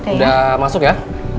udah masuk ya